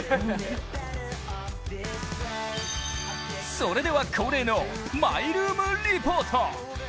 それでは、恒例のマイルーム・リポート。